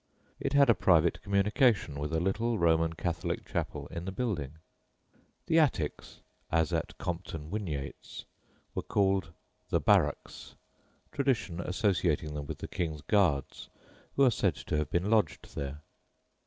It had a private communication with a little Roman Catholic chapel in the building. The attics, as at Compton Winyates, were called "the Barracks," tradition associating them with the King's guards, who are said to have been lodged there.